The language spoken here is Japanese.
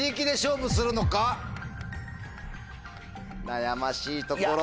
悩ましいところ。